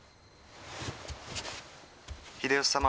「秀吉様